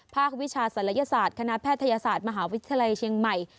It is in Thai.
วิชาศัลยศาสตร์คณะแพทยศาสตร์มหาวิทยาลัยเชียงใหม่